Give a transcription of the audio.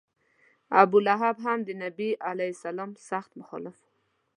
ابولهب هم د نبي علیه سلام سخت مخالف و.